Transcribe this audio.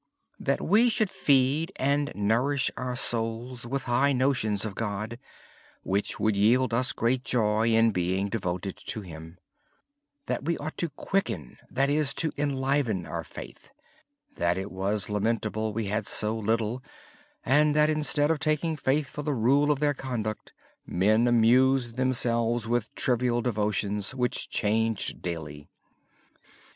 We should feed and nourish our souls with high notions of God which would yield us great joy in being devoted to Him. He said we ought to quicken and enliven our faith. It was lamentable we had so little. Instead of taking faith for the rule of their conduct, men amused themselves with trivial devotions which changed daily.